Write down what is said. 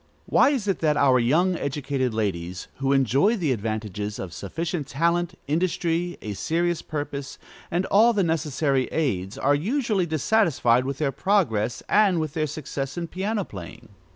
_ Why is it that our young, educated ladies, who enjoy the advantages of sufficient talent, industry, a serious purpose, and all the necessary aids, are usually dissatisfied with their progress and with their success in piano playing?